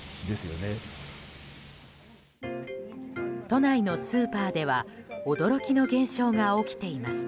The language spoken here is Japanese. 都内のスーパーでは驚きの現象が起きています。